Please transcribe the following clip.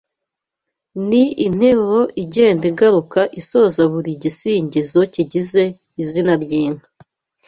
ni interuro igenda igaruka isoza buri gisingizo kigize izina ry’inka